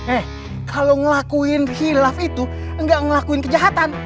eh kalau ngelakuin kilaf itu nggak ngelakuin kejahatan